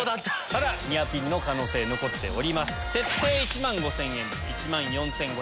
ただニアピンの可能性残ってます。